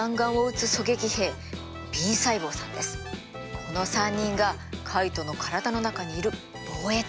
この３人がカイトの体の中にいる防衛隊です。